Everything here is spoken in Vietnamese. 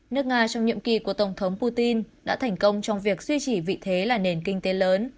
nước nga trong nhiệm kỳ của tổng thống putin đã thành công trong việc duy trì vị thế là nền kinh tế lớn